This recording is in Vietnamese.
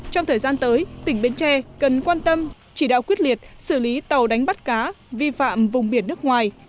trong thời gian tới tỉnh bến tre cần quan tâm chỉ đạo quyết liệt xử lý tàu đánh bắt cá vi phạm vùng biển nước ngoài